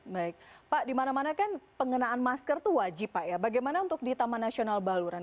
baik pak di mana mana kan pengenaan masker itu wajib pak ya bagaimana untuk di taman nasional baluran